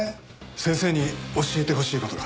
先生に教えてほしい事が。